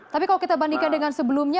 tapi kalau kita bandingkan dengan sebelumnya